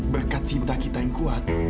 berkat cinta kita yang kuat